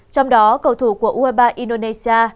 trong đó cầu thủ của ueba indonesia